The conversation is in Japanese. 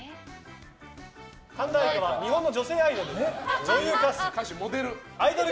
神田愛花は日本の女性アイドル。